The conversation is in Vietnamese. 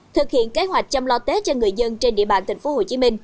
thực hiện kế hoạch chăm lo tết cho người dân trên địa bàn tp hcm